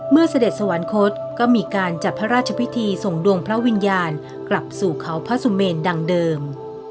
เสด็จสวรรคตก็มีการจัดพระราชพิธีส่งดวงพระวิญญาณกลับสู่เขาพระสุเมนดังเดิม